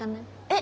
え！